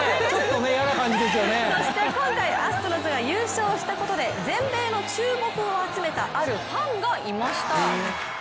そして今回、アストロズが優勝したことで全米の注目を集めたあるファンがいました。